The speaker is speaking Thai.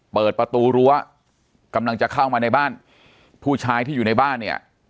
เปิดประตูรั้วกำลังจะเข้ามาในบ้านผู้ชายที่อยู่ในบ้านเนี่ย